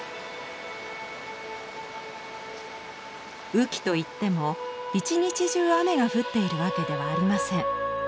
雨季といっても一日中雨が降っているわけではありません。